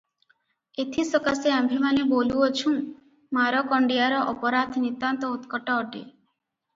ଏଥିସକାଶେ ଆମ୍ଭେମାନେ ବୋଲୁଅଛୁଁ, ମାରକଣ୍ତିଆର ଅପରାଧ ନିତାନ୍ତ ଉତ୍କଟ ଅଟେ ।